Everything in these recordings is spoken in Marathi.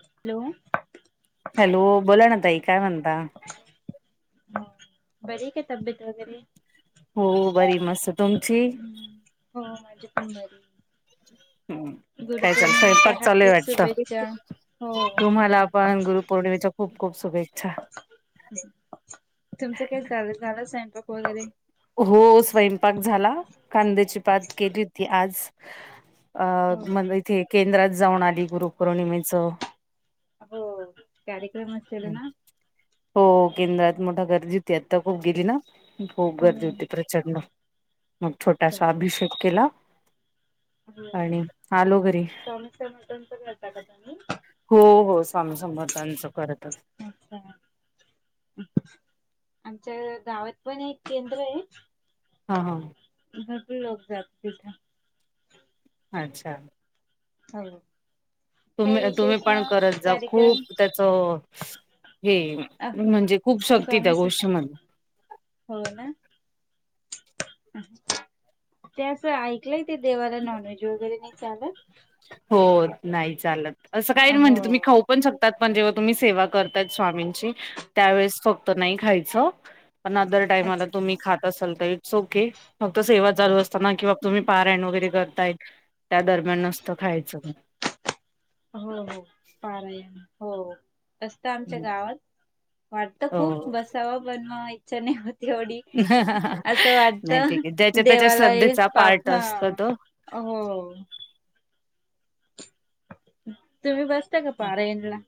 हॅलो हॅलो बोला ना ताई काय म्हणता? बरीये का तब्येत वगैरे हो बरी मस्त तुमची? हो माझी पण बरीये हम काय करता स्वयंपाक चालू आहे हार्दिक शुभेच्छा वाटतं. हो तुम्हाला पण गुरुपौर्णिमेच्या खूप खूप शुभेच्छा. तुमचं काय चालु ये झाला स्वयंपाक वगैरे हो स्वयंपाक झाला. कांद्याची पात केली होती आज. अ हो मग हो इथे केंद्रात जाऊन आली गुरुपौर्णिमेच अ हो कार्यक्रम असलेला ना हो केंद्रात मोठा गर्दी होती आता खूप गेली ना खूप गर्दी होती प्र हो चंड मग छोटा सा अभिषेक केला. हां आणि आलो घरी स्वामी समर्थांचा करता का तुम्ही? हो हो सामी समर्थांचं करतच. अच्छा. आमच्या गावात पण एक केंद्र आहे. हां हां. घट लोक जा तिथं. अच्छा. हो. काय तुम्ही तुम्ही विशेष पण करत जा कार्यक्रम खूप त्याच हे अ म्हणजे खूप शक्ती त्या स्वामी गोष्टीमध्ये. हो ना. ते असं ऐकलंय ते देवाला नॉन व्हेज वगैरे नाही चालत. हो नाही चालत असं काय हो म्हणजे तुम्ही खाऊ पण शकतात पण जेव्हा तुम्ही सेवा करताय स्वामींची त्यावेेळेस फक्त नाही खाय चं पण अदर टाइमला अच्छा. तुम्ही खात असाल तर इट्स ओके फक्त सेवा चालू असताना किंवा तुम्ही पारयण वगैरे करताय त्या दरम्यान नसतं खायचं. हो हो पारायन हो हो. असतं आमच्या गावात वाटतं खूप हो बसावं बनवा इच्छा नाही होत. तेवडी असं नाही वाटतं ठीक आहे ज्याच्या त्याच्या देवाला हे श्रद्धेचा पाप पार्ट असत तो हो. तुम्ही बसता का पारायनला?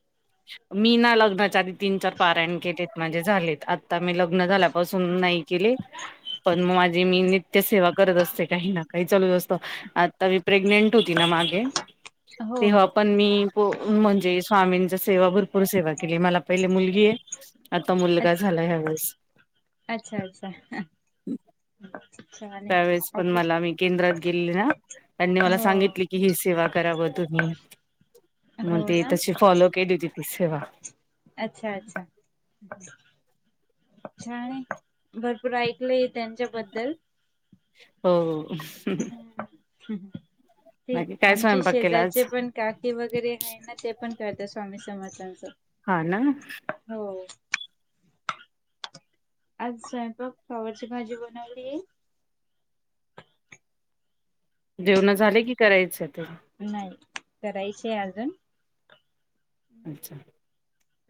मी ना लग्नाच्या आधी तीन चार पाराण केलेत म्हणजे झालेत आता मी लग्न झाल्यापासून नाही केले पण मग माझी मी नित्य सेवा करत असते काही ना काही चालू असतो आता मी प्रेग्नें ट होती ना मागे हो तेव्हा हो. पण मी म्हणजे स्वामींची सेवा भरपूर सेवा केली मला पहिले मुलगी आहे आता मुलगा अच्छा झाला ह्या वेळेस. अच्छा अच्छा. [unintelligible] त्यावेळेस पण ऑफिस मला मी केंद्रात गेले ना त्यांनी मला हो. सांगितली कि ही सेवा करावं तुम्ही मंग हो ते ना तशी फॉलो केली होती ती सेवा. अच्छा अच्छा. छान आहे भरपूर ऐकलंय त्यांच्याबद्दल. हो. हम्म ते बाकी काय आमचे स्वयंपाक केला आज शेजारचे पण काकी वगैरे आहे ना ते पण करत्या स्वामी समर्थांचं. हा ना. हो. आज स्वयंपाक फलावरची भाजी बनवली आहे. जेवण झाले की करायचं आहे तेन? नाही करायचे आहे अजून. अच्छा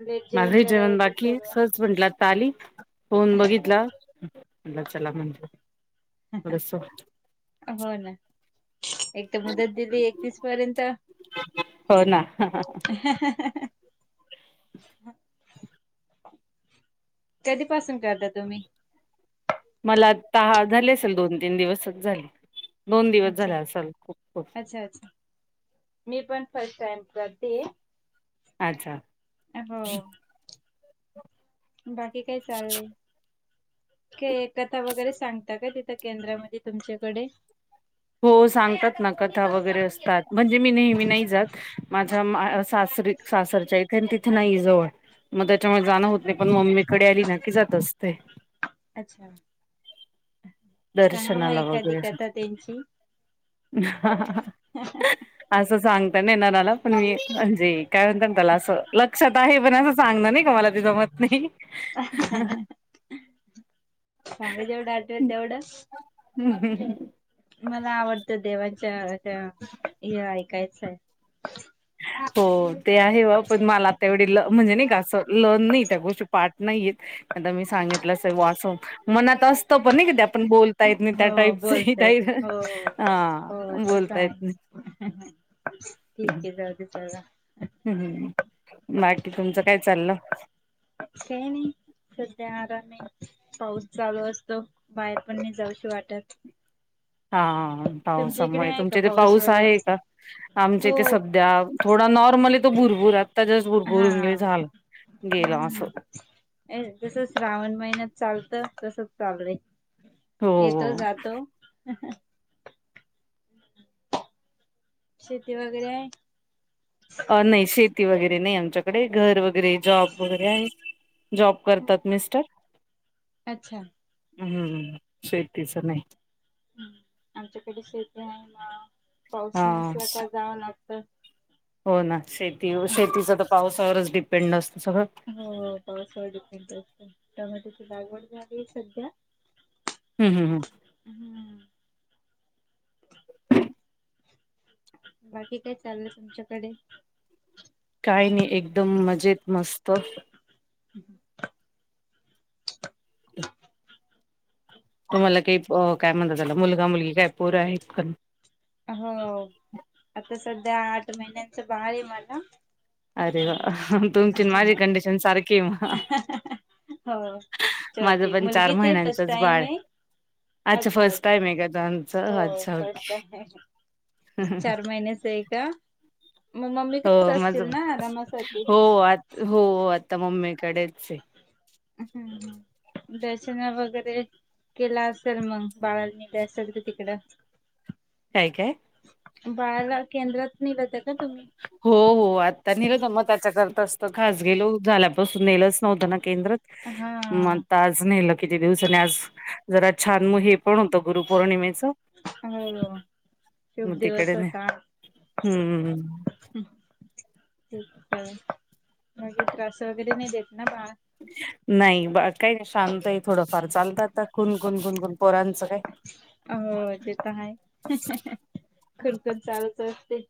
लेट माझा ही कराय जेवण येत बाकी आहे सज सर्व च म्हटलात आली फोन बघितला म्हटलं चला म्हण. सो [unintelligible] हो ना मुदत दिली एकवीस पर्यंत हो ना कधीपासून करता तुम्ही? मला तहा झाली असेल दोन तीन दिवसच झाले दोन दिवस अच्छा झाले असल खूप खूप अच्छा अच्छा मी पण फर्स्ट टाइम करते अच्छा. हो बाकी काय चाललंय? के कथा वगैरे सांगता का तिथं केंद्रामध्ये तुमच्याकडे? हो सांगतात ना कथा वगैरे असतात म्हणजे मी नेहमी नाही जात. माझा मा सासरी सासरच्या इथ तिथे नाहीये जवळ. मग त्याच्यामुळे जाणं होत नाही पण मम्मीकडे आली ना की जात असते. अच्छा सांग मग दर्शनाला एखादी कथा त्यांची. ह [unintelligible] ह [unintelligible] असं नाही सांगता येणार मला पण मी म्हणजे काय म्हणतात त्याला अस लक्षात आहे पण सगळं ते मला नाही सांगता जमत [unintelligible] नाही सांगा [unintelligible] जेवढं आठवेल तेवढं हम्म हम् [unintelligible] मला आवडतं देवांच्या त्या एआय ऐकायचं. हो ते आहे बा पण मला आ त्यावढी ल म्हणजे नाही का असं लन नाही त्या गोष्टी पाठ नाहीयेत. आता मी सांगितलं अस वाचू मनात असतं पण नाही का आपण बोलत यत नाही त्या हो टाईपच बोलतय हो हा हो तसं बोलतायेत आहे नाही. ठीक हाय जाऊदे चला [unintelligible] हम्म् बाकी तुमचं काय चाललं? आमच काय नाही सध्या आराम आहे. पाऊस चालू असतो बाहेर पण नाही जाऊशी वाटत. हा हा हा तुमच्या इकडे पावसामुळे आहे का तुमच्या इथे पाऊस वगैरे आहे का? आमच्या हो इथे सध्या नॉर्मल हाय भुरभुरत त्याच्याच हा बुरबुरुंगले झालं गेलं असं हम्म जस श्रावण महिन्यात चालतं तसच चालू हाय. हो येतो जातो. शेती वगैरे हाय? अ नाही शेती वगैरे नाही आमच्याकडे घर वगैरे जॉब वगैरे आहे जॉब करतात मिस्टर? अच्छा. हम् हम्म शेतीचं नाय. आमच्याकडे शेती हाय ना हा पाऊस नसला की जावं लागतं. हो ना शेतीच तर पावसावरच डिपेंड असतं सगळं. हो पावसावरच डिपेंड असतं टोमॅटोची लागवड झाल्या सध्या. हम् हम हम. हम्म [unintelligible] बाकी काय चाललं तुमच्याकडे? काय नाय एकदम मजेत मस्त. ह तुम्हाला काही काय म्हणतात त्याला मुलगा मुलगी काय पोर आहेत का नाही. हो आता सध्या आठ महिन्यांचं बाळ आहे माझं. अरे वा तुमची आणि माझी कंडिशन सारखी आहे मग. हो माझं छोटी पण मुलगीच फर्स्ट महिन्यांचंच टाइम बाळ आहे. हाय. अच्छा फर्स्ट टाईम आहे का तुमचं? हो अच्छा ओके. फर्स्ट हाय. चार महिन्याच आहे का मग मम्मी हो कडच असतील माझं ना आरामासाठी. हो आत हो आता मम्मीकडेच हाय. हम् दर्शना वगैरे केला असेल मग बाळाला नेलं असेल तिकडं. काय काय? बाळाला केंद्रात नेलं होतं का तुम्ही? हो हो आता नेलं होतं मग त्याच्यासाठीच खास गेलो झाल्यापासून नेलं नव्हतं ना केंद्रात हा मग आज नेलं किती दिवस आणि आज जरा छान हे पण होतं गुरुपौर्णिमेचं. हो खूप दिवस होता. हम्मम. हम् ठीक आहे मग त्रास वगैरे नाही देत ना बाळ? नाही बाळ काही नाही शांत आहे थोडंफार चालतं आता कुन कुन कुकुून पोरांचं काय. अ ते तर आहे कुण कुण चालूच असते.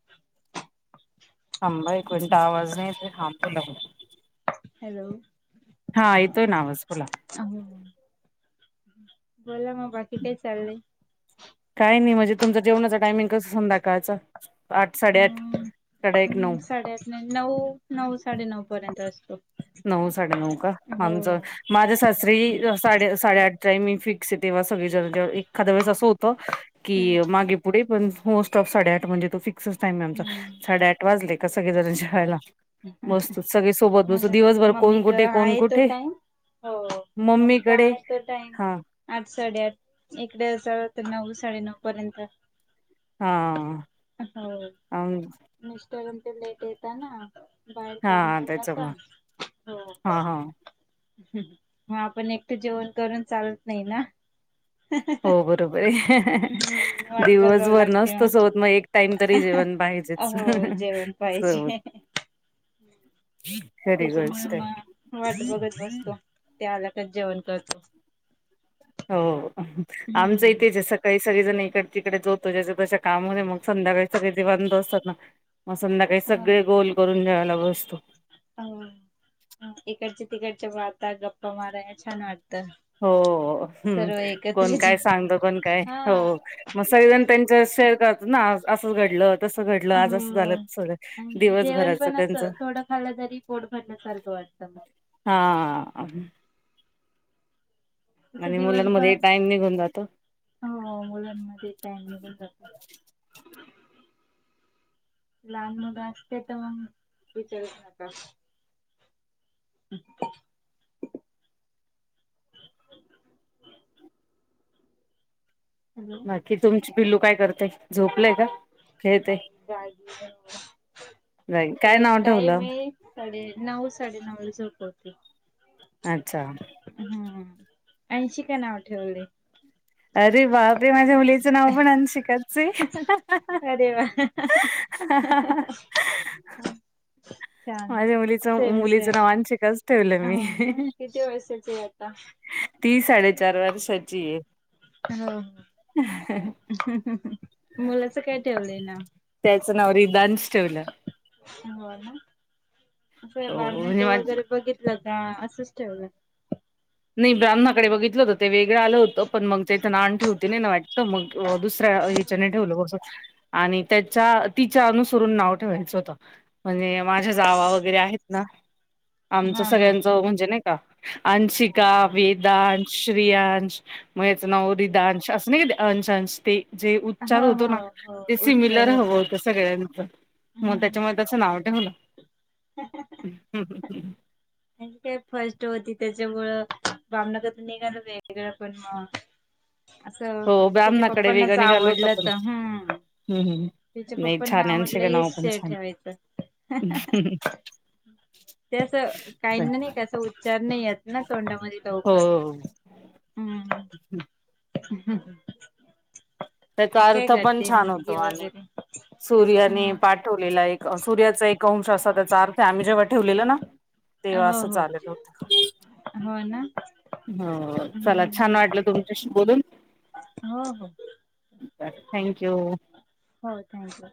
थांबा एक मिनिट आवाज येत नाही हा बोला. हॅलो हा येतोय ना आवाज तुला ह बोला मग बाकी काही चालले. काय नाही म्हणजे तुमच जेवणाच टायमिंग कस संध्याकाळचं आठ साडेआठ अं साडेसाठ एक हम्म नऊ साडेआठ नऊ नऊ साडेनऊ पर्यंत असतो. नऊ साडेनऊ का हो आमचं माझ्या सासरी साडे साडेआठ टाइमिंग‌ फिक्स तेव्हा सगळे एखा वेळेस असं होत की हम्म मागे पुढे पण स्टॉप साडेआठ म्हणजे तो फिक्स टाम आहे आमचा साडे आठ हम्म वाजले का सगळे जणां जेवायला मस्त सगळे सोबत [unintelligible] बस आठ मम्मीकडे हा साडेआठ इकडे असाल तर नऊ साडेनऊ पर्यंत. हा. हो मिस्टर ते लेट येत ना. बाहेर हा कामावर जाता त्याच्यामुळे हो. हा हा मग आपण एकटं जेवण करून चालत नाही ना. हो बरोबर आहे वाट बघाव दिवसभर लागते नसतो सोबत मग एक टाइम तरी जेवण पाहिजे हो जेवण सोबत पाहिजे खरी त्याच्यामुळे गोष्ट आहे. मग वाट बघत बघतो त्या आलाकच जेवण करतो. हो आमचं ही हम्म तेच आहे सकाळी सगळे जण एक तिकडे जो तो ज्याच्या त कामामध्ये मग संध्याकाळी सगळे [unintelligible] असतात ना मग संध्याका हे सगळे गोल करून जेवायला बसतो. इकडचे तिकडच्या बाता गप्पा माराय छान वाटतं. हो हम् सर्व कोण एकत्र काय जेव सांगत कोण काय हा हो मग सगळेजण त्यांच्या शेअर करतातं ना असंच घडलं तसं घडलं अ आज असं झालं तसं आणि जेवण दिवसभराच पण असं त्यांचं थोडं खाल्लं तरी पोट भरल्यासारखं वाटत हम [unintelligible] हा. तस आणि दिवसभर मुलांमध्ये टाइम निघून जातो. हो मुलांमध्ये टाईम लवकर जातो. लहान मुलं असते तर मग विचारूच नका. ह् [unintelligible] हम् [unintelligible] कि तुमची पिल्लू काय करतेय झोपलंय का? खेळते नाही जागीण जाई त्याचा काय एक नाव टाइम ठेवलं? आहे [unintelligible] साडे नव साडे नऊला झोपवते. अच्छा. हम्म ऐंशीकाय नाव ठेवले. अरे बाप रे माझ्या मुलीचं नाव पण आंशीकाच. अरे वा! छान माझ्या मुलीचं सेम मुलीचं नाव अंशिकाच ठेवलं सेम मी. हो ना किती वर्षाची आहे आता? ती साडेचार वर्षाची हाय. हौ [unintelligible] मुलाचं काय ठेवलंय नाव? त्याचं नाव रिदांश ठेवलं. हो म्हणजे माझ [unintelligible] लगा असंच ठेवलं [unintelligible] नाही ब्राह्णाकडे बघितलं होतं ते वेगळ आलं होतं पण मग त्या इथं ना आण ठठी होती नाही ना वाट तर मग दुसऱ्या [unintelligible] ठेव [unintelligible] आणि त्याच्या तिच्या अनुसरून नाव ठेवायचं होत माझ्या जावा वगैरे आहेत ना आमच्या हा हा. सगळ्यांचे म्हणजे आंशिक का वेदांश स्त्रियांश मग याच नाव रीदांश असं नाही अंश अंश ते. जे उच्चार हो होतो हो ना हो ते उच्चार सिमिलर हवं होतो. होतं सगळ्यांच मग हम्म. त्याच्यामुळे त्याचं नाव ठेवलं. [inaudible] [unintelligible] ह हं हं हं [unintelligible] आणि काय फर्स्ट होती त्याच्यामुळं बामनाकडे निघालं वेगळं पण [unintelligible] आसं हो त्याच्या ब्राह्मणाकडे पप्पांना वेगळं निघालं होतं आवडलं पण तर हं हम्म हम्म. तिच्या नाही पप्पांना छान आवडलं हेश ठेवायचं. ह [unintelligible] त्यास काहीना नाही कस उच्चार नाही येत ना तोंडामध्ये हो लवकर. हम्म ह [unintelligible] त्याचा अर्थ पण छान होतो आणि.. वगैरे? सूर्याने हम्म पाठवलेला एक सूर्याचा एक अंश असा त्याचा आम्ही जेव्हा ठेवलेलं ना तेव्हा हो असंच हो आलेलं होत. हो ना. हो चला हम्म, छान वाटलं तुमच्याशी बोलून. हो हो थँक्यू. हो थँक्यू.